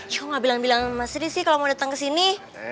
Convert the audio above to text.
kok gak bilang bilang sama mas sri sih kalo mau datang kesini